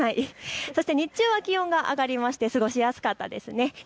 日中は気温が上がりまして過ごしやすかったですね。